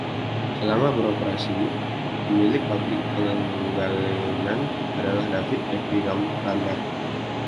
Selama beroperasi, pemilik pabrik pengalengan adalah David Ephriam Randall.